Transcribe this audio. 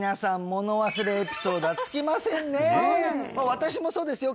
私もそうですよ